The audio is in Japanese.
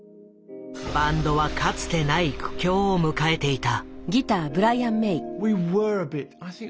バンドはかつてない苦境を迎えていた。